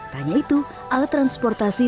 tanya itu alat transportasi